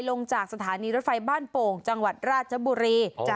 ลงจากสถานีรถไฟบ้านโป่งจังหวัดราชบุรี